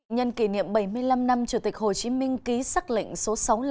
nhân kỷ niệm bảy mươi năm năm chủ tịch hồ chí minh ký xác lệnh số sáu mươi năm